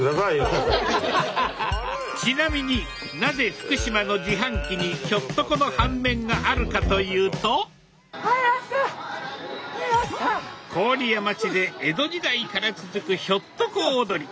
ちなみになぜ福島の自販機にひょっとこの半面があるかというと郡山市で江戸時代から続くひょっとこ踊り。